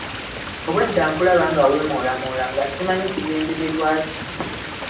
Obwedda nkulaba nga weemoolamoola nga simanyi kigendererwa kyo.